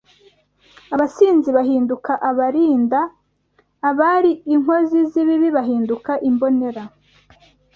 abasinzi bahinduka abirinda, abari inkozi z’ibibi bahinduka imbonera